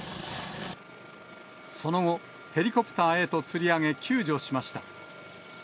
その後、ヘリコプターへとつり上げ、救助しました。